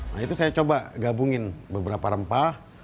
nah itu saya coba gabungin beberapa rempah